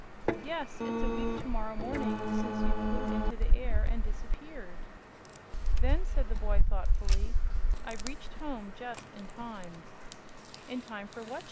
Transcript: "Yes; it's a week to morrow morning since you flew into the air and disappeared." "Then," said the boy, thoughtfully, "I've reached home just in time." "In time for what?"